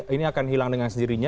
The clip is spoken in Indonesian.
ini akan hilang dengan sendirinya